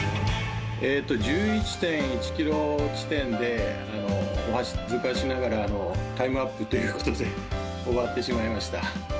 １１．１キロ地点で、お恥ずかしながらタイムアップということで、終わってしまいました。